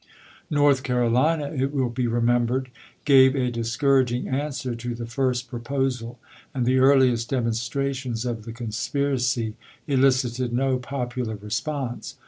North Carolina, it will be remembered, gave a discouraging answer to the first proposal, and the earliest demonstrations of the conspiracy elicited no 1861. popular response.